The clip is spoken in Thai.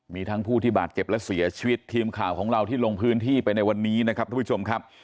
มีทั้งผู้ที่บาดเจ็บและเสียชีวิตทีมข่าวของเราที่ลงพื้นที่ไปในวันนี้นะครับทุกผู้ชมครับ